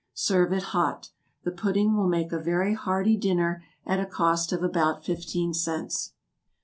Serve it hot. The pudding will make a very hearty dinner, at a cost of about fifteen cents.